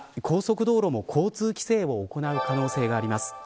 また、高速道路も交通規制を行う可能性があります。